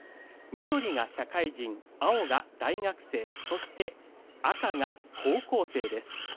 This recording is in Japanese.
緑が社会人、青が大学生そして赤が高校生です。